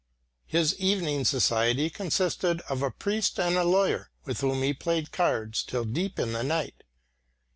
His evening society consisted of a priest and a lawyer with whom he played cards till deep in the night.